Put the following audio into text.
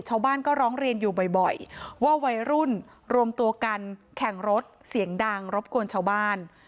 ชาวบ้านก็ร้องเรียนอยู่บ่อยว่าวัยรุ่นรวมตัวกันแข่งรถเสียงดังรบกวนชาวบ้าน